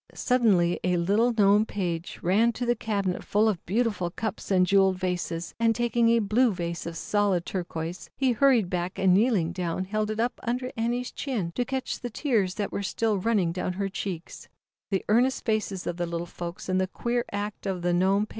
Suddenly a little Gnome page ran to a cabinet full of beautiful cups and jeweled vases, and taking a blue vase of solid turquoise, he hurried back and kneeling down held it o up under Annie's chin, to catch the tea that still were running down her cheeks The earnest faces of the little folks > and the queer act of the Gnome page